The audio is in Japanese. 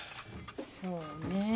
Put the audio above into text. そうねえ。